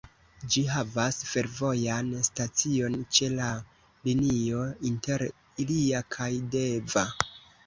Ĝi havas fervojan stacion ĉe la linio inter Ilia kaj Deva.